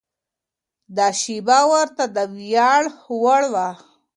دا شېبه ورته د ویاړ وړ وه.